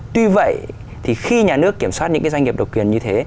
tuy vậy thì khi nhà nước kiểm soát những cái doanh nghiệp độc quyền như thế